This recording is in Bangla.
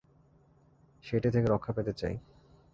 সেইটে থেকে রক্ষা পেতে চাই।